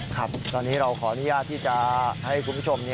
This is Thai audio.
ครับตอนนี้เราขออนุญาตที่จะให้คุณผู้ชม